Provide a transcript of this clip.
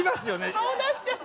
顔出しちゃって。